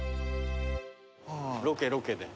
ロケロケで。